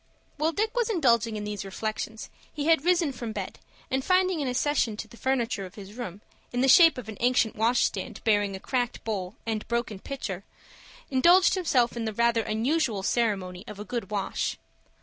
While Dick was indulging in these reflections, he had risen from bed, and, finding an accession to the furniture of his room, in the shape of an ancient wash stand bearing a cracked bowl and broken pitcher, indulged himself in the rather unusual ceremony of a good wash.